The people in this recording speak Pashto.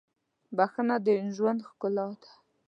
• بښنه د ژوند ښکلا ده.